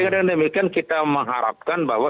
dengan demikian kita mengharapkan bahwa